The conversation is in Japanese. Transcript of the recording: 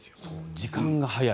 時間が速い。